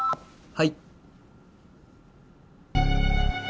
はい！